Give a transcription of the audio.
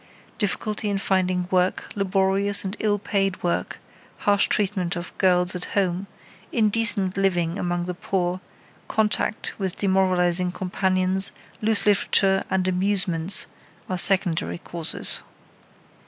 Difficulty in finding work, laborious and ill paid work, harsh treatment of girls at home, indecent living among the poor, contact with demoralizing companions, loose literature and amusements are secondary causes.